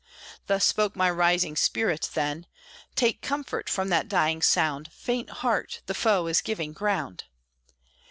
Thus spoke my rising spirit then: "Take comfort from that dying sound, Faint heart, the foe is giving ground!"